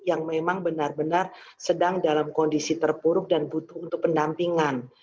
yang memang benar benar sedang dalam kondisi terpuruk dan butuh untuk pendampingan